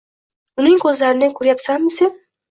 Uning ko‘zlarini ko‘ryapsanmi sen